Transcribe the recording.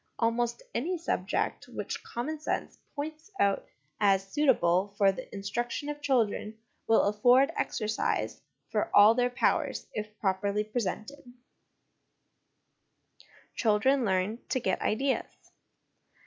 Almost any subject which common sense points out as suitable for the instruction of children will afford exercise for all their powers, if properly presented. LESSONS AS INSTRUMENTS OF EDUCATION 173 Children learn, to get Ideas.